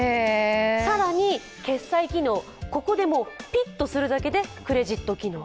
更に、決済機能、ここでピッとするだけでクレジット機能。